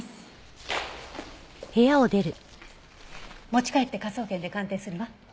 持ち帰って科捜研で鑑定するわ。